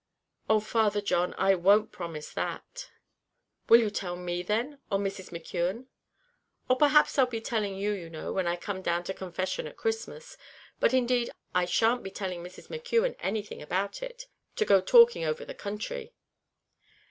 "Oh, Father John, I won't promise that." "Will you tell me, then, or Mrs. McKeon?" "Oh, perhaps I'll be telling you, you know, when I come down to confession at Christmas; but indeed I shan't be telling Mrs. McKeon anything about it, to go talking over the counthry."